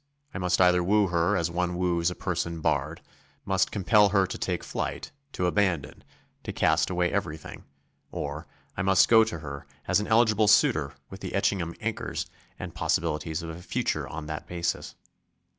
I must either woo her as one woos a person barred; must compel her to take flight, to abandon, to cast away everything; or I must go to her as an eligible suitor with the Etchingham acres and possibilities of a future on that basis.